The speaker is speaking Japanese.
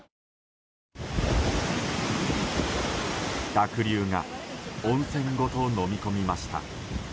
濁流が温泉ごとのみ込みました。